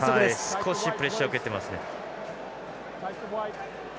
少しプレッシャー受けてますね。